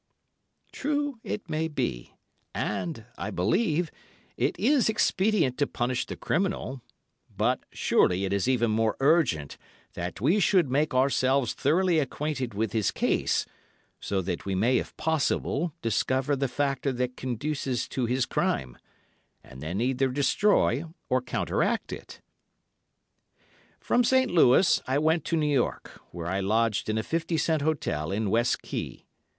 True, it may be, and, I believe, it is expedient to punish the criminal, but surely it is even more urgent that we should make ourselves thoroughly acquainted with his case, so that we may if possible discover the factor that conduces to his crime, and then either destroy or counteract it. From St. Louis I went to New York, where I lodged in a fifty cent. hotel in West Quay.